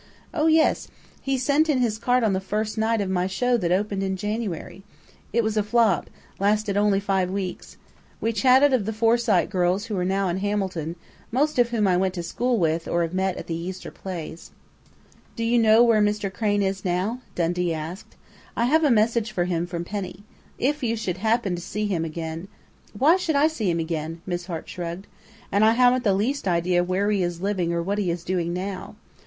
"Oh, yes! He sent in his card on the 'first night' of my show that opened in January.... It was a flop lasted only five weeks.... We chatted of the Forsyte girls who are now in Hamilton, most of whom I went to school with or have met at the Easter plays." "Do you know where Mr. Crain is now?" Dundee asked. "I have a message for him from Penny if you should happen to see him again " "Why should I see him again?" Miss Hart shrugged. "And I haven't the least idea where he is living or what he is doing now....